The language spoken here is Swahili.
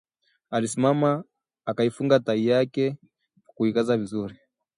Alisimama akaifunga tai yake kwa kuikaza vizuri